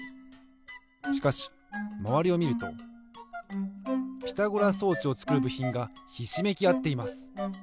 しかしまわりをみるとピタゴラ装置をつくるぶひんがひしめきあっています。